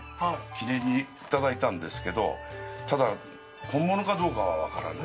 記念にいただいたんですけどただ、本物かどうかは分からない。